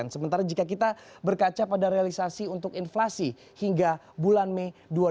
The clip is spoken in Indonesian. sementara jika kita berkaca pada realisasi untuk inflasi hingga bulan mei dua ribu dua puluh